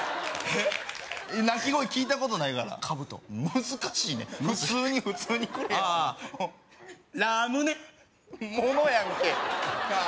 鳴き声聞いたことないからかぶと難しいねん普通に普通にくれやああラムネ物やんけなあ？